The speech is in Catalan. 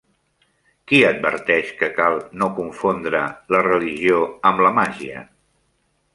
Qui adverteix que cal no confondre la religió amb la màgia?